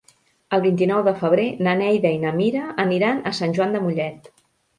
El vint-i-nou de febrer na Neida i na Mira aniran a Sant Joan de Mollet.